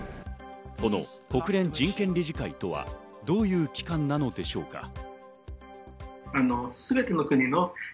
この国連人権理事会とはどういう機関なのでしょうか。